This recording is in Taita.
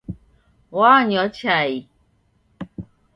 Wanywa chai.